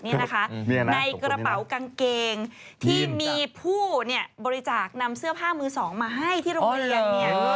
ในกระเป๋ากางเกงที่มีผู้บริจาคนำเสื้อผ้ามือสองมาให้ที่โรงเรียน